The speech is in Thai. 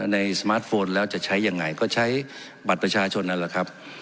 สมาร์ทโฟนแล้วจะใช้ยังไงก็ใช้บัตรประชาชนนั่นแหละครับ